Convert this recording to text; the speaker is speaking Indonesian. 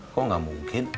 kok gak mungkin